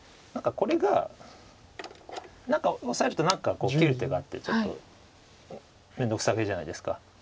これがオサえると何か切る手があってちょっとめんどくさげじゃないですか。